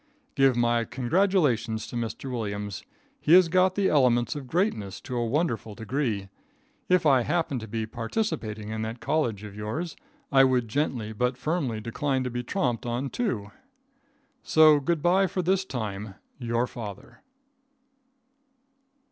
Give my congratulations to Mr. Williams. He has got the elements of greatness to a wonderful degree. If I happened to be participating in that colledge of yours, I would gently but firmly decline to be tromped onto. So good bye for this time. Your Father.